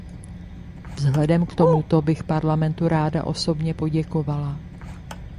Vzhledem k tomuto bych Parlamentu ráda osobně poděkovala.